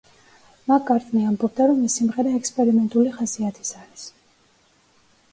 მაკ-კარტნი ამბობდა, რომ ეს სიმღერა ექსპერიმენტული ხასიათის არის.